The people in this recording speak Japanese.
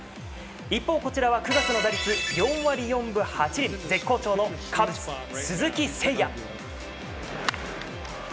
一方、こちらは９月の打率４割４分８厘絶好調のカブス、鈴木誠也。